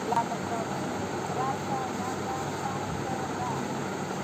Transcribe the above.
له مطالعې پرته وده سخته ده